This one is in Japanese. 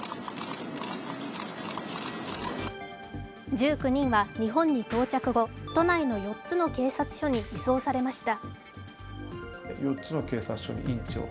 １９人は日本に到着後、都内の４つの警察署に移送されました。